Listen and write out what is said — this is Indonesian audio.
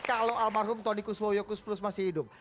kalau almarhum tony kusuwoyokus plus masih hidup